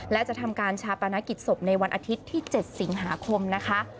และจะทำการชาปนกิจศพในวันอาทิตย์ที่๗สิงหาคมนะคะ